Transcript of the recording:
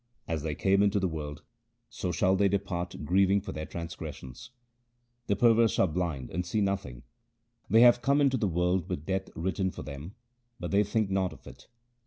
As they, came into the world, so shall they depart grieving for their transgressions. The perverse are blind and see nothing. They have come into the world with death written for them, but they think not of it.